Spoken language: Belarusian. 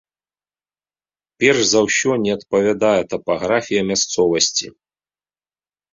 Перш за ўсё не адпавядае тапаграфія мясцовасці.